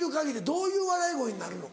どういう笑い声になるの？